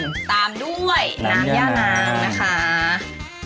ตามด้วยน้ำย่านางนะคะ